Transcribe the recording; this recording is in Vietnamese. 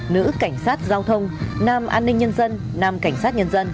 nữ cảnh sát giao thông nam an ninh nhân dân nam cảnh sát nhân dân